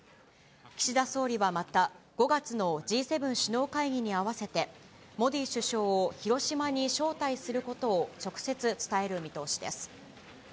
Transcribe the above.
岸田総理はまた、５月のＧ７首脳会議に合わせて、モディ首相を広島に招待することを直接伝える見通しです。